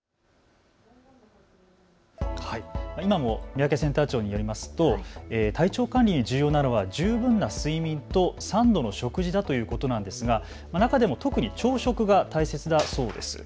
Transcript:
三宅センター長によりますと体調管理に重要なのは十分な睡眠と３度の食事だということなんですが中でも特に朝食が大切だそうです。